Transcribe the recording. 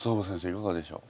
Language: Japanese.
いかがでしょう？